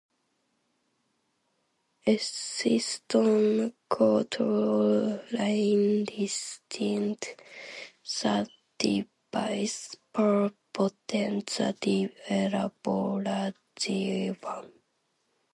Esistono quattro linee distinte, suddivise per potenza di elaborazione.